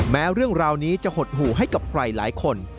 แม้เรื่องราวนี้จะหดหู่ให้กับใครหลายคน